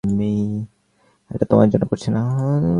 এটা তোমার জন্য করছি না।